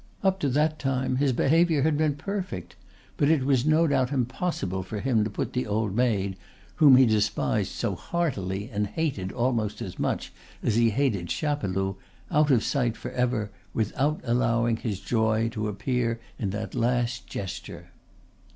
Up to that time his behavior had been perfect; but it was no doubt impossible for him to put the old maid, whom he despised so heartily and hated almost as much as he hated Chapeloud, out of sight forever without allowing his joy to appear in that last gesture."